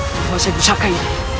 menguasai pusaka ini